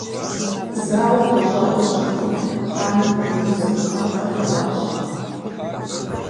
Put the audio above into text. Зауэр гуащӏэӏуэ щыхъум, хъаныр мамыру зэгурыӏуэну къэлъэӏуащ.